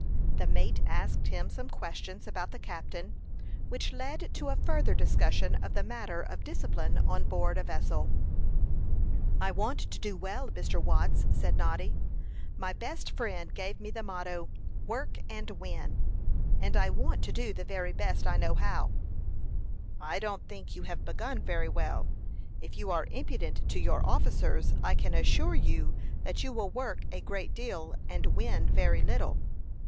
The mate asked him some questions about the captain, which led to a further discussion of the matter of discipline on board a vessel. "I want to do well, Mr. Watts," said Noddy. "My best friend gave me the motto, 'Work and Win;' and I want to do the very best I know how." "I don't think you have begun very well. If you are impudent to your officers, I can assure you that you will work a great deal and win very little.